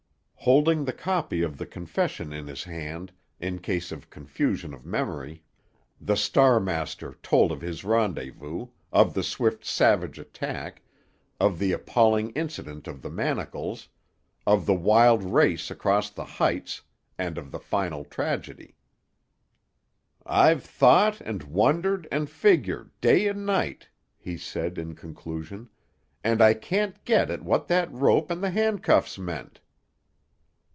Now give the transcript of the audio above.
Holding the copy of the confession in his hand, in case of confusion of memory, the Star master told of his rendezvous, of the swift savage attack, of the appalling incident of the manacles, of the wild race across the heights, and of the final tragedy. "I've thought and wondered and figured, day and night," he said, in conclusion, "and I can't get at what that rope and the handcuffs meant."